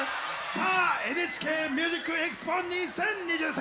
さあ「ＮＨＫＭＵＳＩＣＥＸＰＯ２０２３」